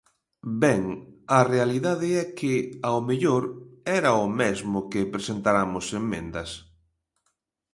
Ben, a realidade é que, ao mellor, era o mesmo que presentaramos emendas.